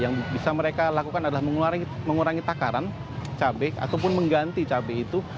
yang bisa mereka lakukan adalah mengurangi takaran cabai ataupun mengganti cabai itu